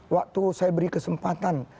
waktu saya beri kesempatan